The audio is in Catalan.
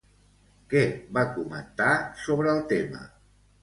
Què va comentar sobre el tema?